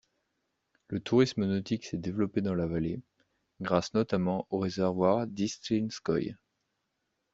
Le tourisme nautique s'est développé dans la vallée, grâce notamment au réservoir d'Istrinskoïe.